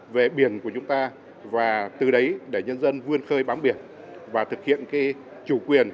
về biển của chúng ta và từ đấy để nhân dân vươn khơi bám biển và thực hiện chủ quyền